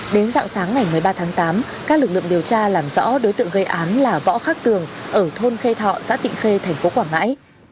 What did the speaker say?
đến dặn sáng ngày một mươi ba tháng tám các lực lượng điều tra làm rõ đối tượng gây án là võ khắc cường ở thôn khê thọ xã tịnh khê thành phố quảng ngãi